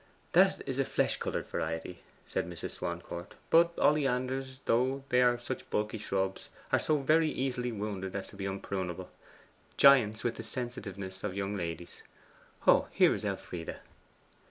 'That is a flesh coloured variety,' said Mrs. Swancourt. 'But oleanders, though they are such bulky shrubs, are so very easily wounded as to be unprunable giants with the sensitiveness of young ladies. Oh, here is Elfride!